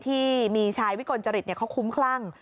ที่มีชายวิกลจริตเขาคุ้มคลั่ง